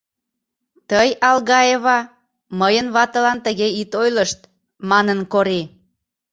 — Тый, Алгаева, мыйын ватылан тыге ит ойлышт, — манын Кори.